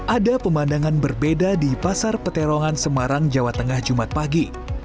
ada pemandangan berbeda di pasar peterongan semarang jawa tengah jumat pagi